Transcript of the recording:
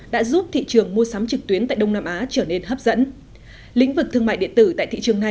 đã giúp thị trường mua sắm trực tuyến tại đông nam á